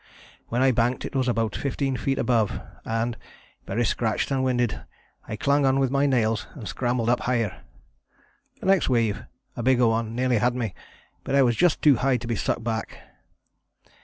When I banked it was about 15 feet above, and, very scratched and winded, I clung on with my nails and scrambled up higher. The next wave, a bigger one, nearly had me, but I was just too high to be sucked back.